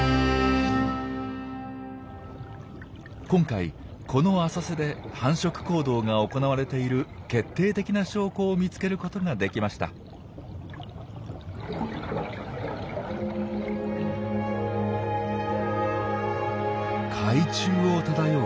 今回この浅瀬で繁殖行動が行われている決定的な証拠を見つけることができました。